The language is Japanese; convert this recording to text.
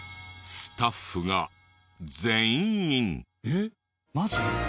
スタッフが全員。